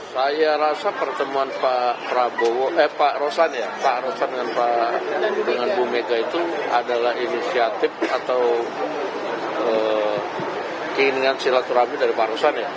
saya rasa pertemuan pak rosan dengan ibu mega itu adalah inisiatif atau keinginan silaturahmi dari pak rosan